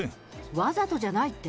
わざとじゃないって？